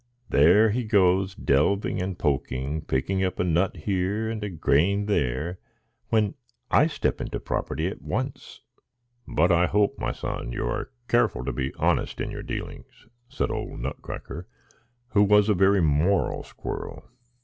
There he goes, delving and poking, picking up a nut here and a grain there, when I step into property at once." "But I hope, my son, you are careful to be honest in your dealings," said old Nutcracker, who was a very moral squirrel.